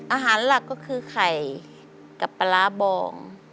อาหารหลักก็คือไข่กับปลาร้าบอง